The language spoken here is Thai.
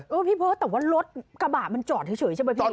ไปตรงนี้เลยพี่เพิ้ลแต่ว่ารถกระบะมันจอดเฉยใช่ไหมพี่